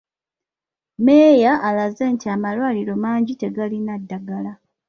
Meeya alaze nti amalwaliro mangi tegalina ddagala.